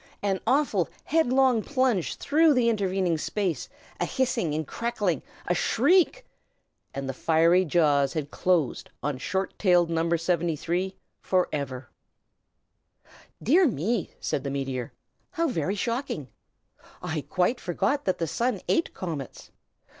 An awful, headlong plunge through the intervening space; a hissing and crackling; a shriek, and the fiery jaws had closed on Short Tail No. 73, forever! "Dear me!" said the meteor. "How very shocking! I quite forgot that the Sun ate comets.